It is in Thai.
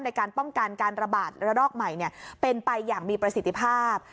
ในการป้องกันการระบาดระลอกใหม่เป็นไปอย่างมีประสิทธิภาพ